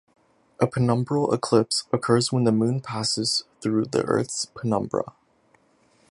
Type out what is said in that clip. A penumbral eclipse occurs when the moon passes through the Earth's penumbra.